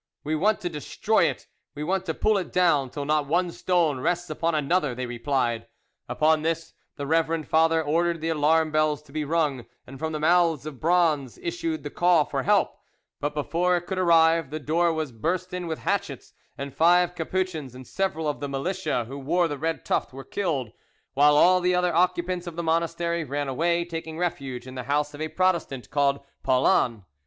"We want to destroy it, we want to pull it down till not one stone rests upon another," they replied. Upon this, the reverend father ordered the alarm bells to be rung, and from the mouths of bronze issued the call for help; but before it could arrive, the door was burst in with hatchets, and five Capuchins and several of the militia who wore the red tuft were killed, while all the other occupants of the monastery ran away, taking refuge in the house of a Protestant called Paulhan.